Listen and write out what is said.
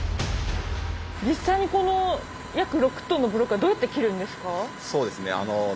実際にこの約６ｔのブロックはどうやって切るんですか？